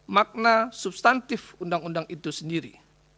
makna substantif undang undang itu sendiri